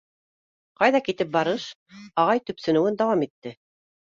— Ҡайҙа китеп барыш? — ағай төпсөнөүен дауам итте.